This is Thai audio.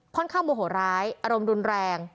ค่อนข้างโมโหร้อารมณ์รุนแรง